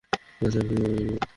চাচ্চু, আপনি কি উনাকে বিয়ে করছেন?